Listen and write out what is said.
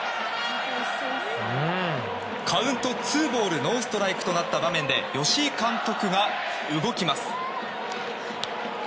カウント、ツーボールノーストライクとなった場面で吉井監督が動きます。